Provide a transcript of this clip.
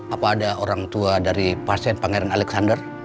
apa ada orang tua dari pasien pangeran alexander